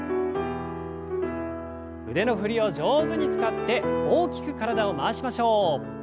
腕の振りを上手に使って大きく体を回しましょう。